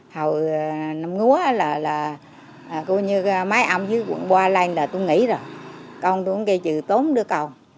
hồi năm ngúa là coi như mấy ông dưới quận ba lên là tôi nghỉ rồi con tôi cũng gây chữ tốn đứa con